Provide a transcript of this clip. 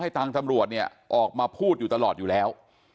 ทางตำรวจเนี่ยออกมาพูดอยู่ตลอดอยู่แล้ว